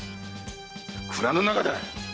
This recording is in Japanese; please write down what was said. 蔵の中だ！